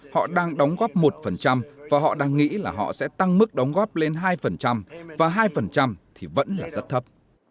họ đang đóng góp một và họ đang nghĩ là họ sẽ tăng mức đóng góp lên hai và hai thì vẫn là rất thấp